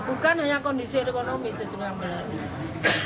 bukan hanya kondisi ekonomi saya juga nambah